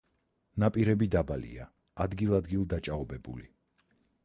ნაპირები დაბალია, ადგილ-ადგილ დაჭაობებული.